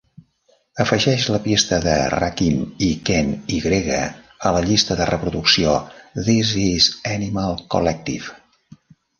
Afegeix la pista de Rakim y Ken Y a la llista de reproducció This Is Animal Collective.